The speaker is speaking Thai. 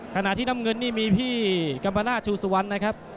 ขณะที่น้ำเงินนี่มีพี่กัมปนาศชูสุวรรณนะครับ